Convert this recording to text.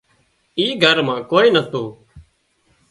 اي گھر مان ڪوئي نتون